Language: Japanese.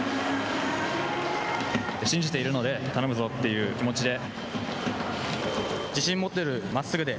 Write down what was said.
信じているので頼むぞという気持ちで。